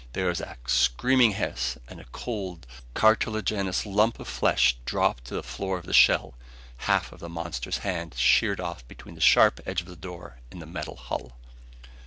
There was a screaming hiss, and a cold, cartilagenous lump of flesh dropped to the floor of the shell half the monster's hand, sheared off between the sharp edge of the door and the metal hull.